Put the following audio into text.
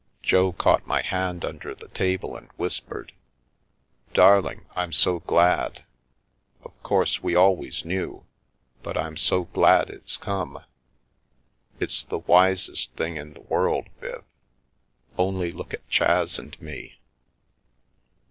Jo caught my hand under the table and whispered: " Darling, I'm so glad ! Of course, we always knew, but I'm so glad it's come. It's the wisest thing in the world, Viv. Only look at Chas and me